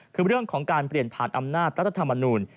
คือเรื่องของการเปลี่ยนผ่านอำนาจรัฐธรรมนูล